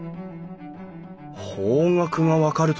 方角が分かるとは！